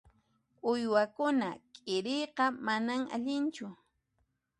Uywakuna k'iriyqa manan allinchu.